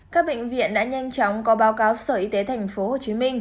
các bệnh viện đã nhanh chóng có báo cáo sở y tế tp hcm